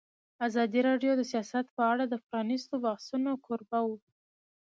ازادي راډیو د سیاست په اړه د پرانیستو بحثونو کوربه وه.